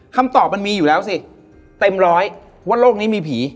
คำตอบมันมีอยู่แล้วสิเต็มร้อยว่าโลกนี้มีผี